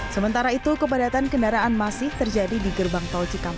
sementara itu kepadatan kendaraan masih terjadi di gerbang tol cikampek